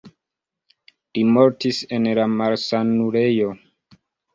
Li mortis en la malsanulejo.